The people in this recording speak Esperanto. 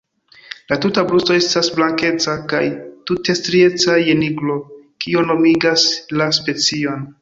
La tuta brusto estas blankeca kaj tute strieca je nigro, kio nomigas la specion.